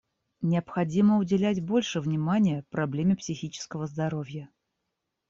Необходимо уделять больше внимания проблеме психического здоровья.